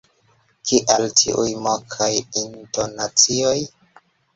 Kial tiuj mokaj intonacioj?